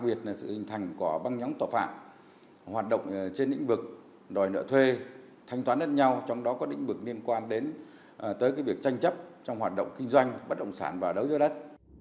phối hợp với công an đến tới việc tranh chấp trong hoạt động kinh doanh bất động sản và đấu giới đất